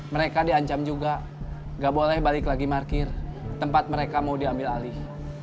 mereka diancam juga nggak boleh balik lagi markir tempat mereka mau diambil alih